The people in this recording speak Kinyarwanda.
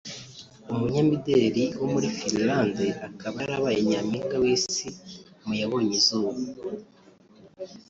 umunyamideli wo muri Finland akaba yarabaye nyampinga w’isi mu yabonye izuba